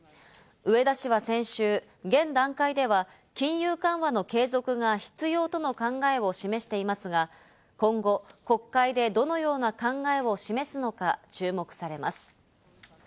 植田氏は先週、現段階では金融緩和の継続が必要との考えを示していますが、今後、国会でどのような考えを示すのか注目されます。